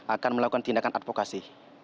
akan melakukan tindakan advokasi